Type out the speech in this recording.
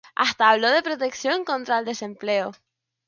Hasta habló de protección contra el desempleo.